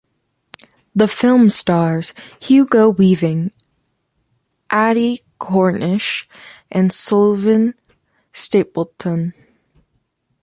The film stars Hugo Weaving, Abbie Cornish and Sullivan Stapleton.